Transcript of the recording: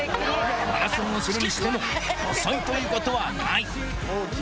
マラソンをするにしても、遅いということはない。